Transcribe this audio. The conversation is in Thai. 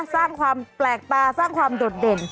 สร้างความแปลกตาสร้างความโดดเด่น